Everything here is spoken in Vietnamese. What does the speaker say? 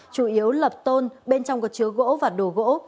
chủ yếu lập tôn bên trong có chứa gỗ và đồ gỗ